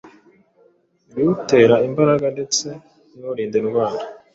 ibiwutera imbaraga ndetse n’ibiwurinda indwara,